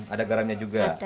ada garamnya juga